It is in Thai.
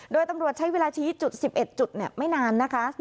โดยตำรวจใช้เวลาชี้จุด๑๑จุดไม่นานนะคะ